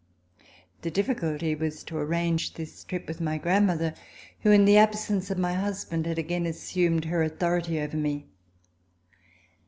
The difficulty was to arrange this trip with my grandmother, who, in the absence of my husband, had again assumed her authority over me.